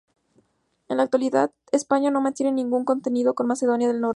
En la actualidad España no mantiene ningún contencioso con Macedonia del Norte.